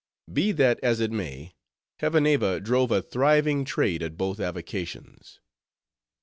Be that as it may, Hevaneva drove a thriving trade at both avocations.